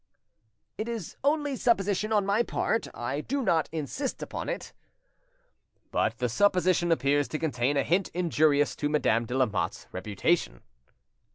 "It is only supposition on my part, I do not insist upon it." "But the supposition appears to contain a hint injurious to Madame de Lamotte's reputation?"